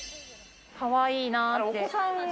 かわいいなって。